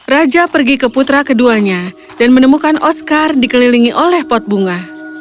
raja pergi ke putra keduanya dan menemukan oscar dikelilingi oleh pot bunga